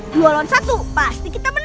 dua lawan satu pasti kita menang